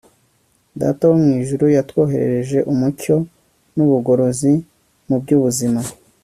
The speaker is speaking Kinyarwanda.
data wo mu ijuru yatwoherereje umucyo w'ubugorozi mu by'ubuzima